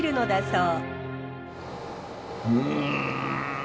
うん！